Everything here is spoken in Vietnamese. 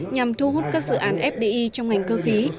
nhằm thu hút các dự án fdi trong ngành cơ khí